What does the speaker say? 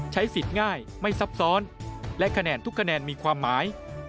ใช้สิทธิ์ง่ายไม่ซับซ้อนและคะแนนทุกคะแนนมีความหมาย